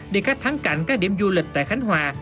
đi các thắng cảnh các điểm du lịch tại khánh hòa